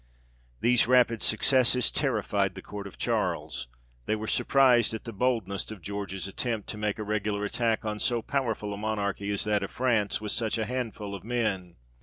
These rapid successes terrified the court of Charles ; they were surprised at the boldness of George's attempt, to make a regular attack on so powerful a monarchy as that of France, with such a handful of men.